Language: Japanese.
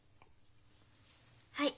はい。